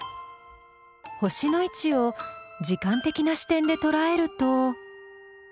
星の位置を時間的な視点でとらえると。